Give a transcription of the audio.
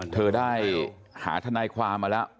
เธอได้หาทนายความมาแล้ว